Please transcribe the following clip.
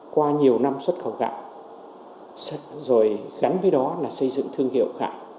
qua nhiều năm xuất khẩu gạo rồi gắn với đó là xây dựng thương hiệu gạo